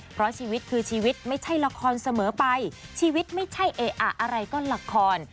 เพราะชีวิตคือชีวิตไม่ใช่ละครเสมอไปชีวิตไม่ใช่เออะอะไรก็ละคร